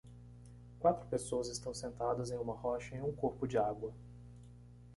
Quatro pessoas estão sentadas em uma rocha em um corpo de água.